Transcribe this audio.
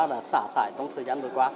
đã xả tải trong thời gian vừa qua